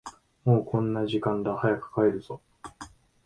もうこんな時間だ、早く帰るぞ。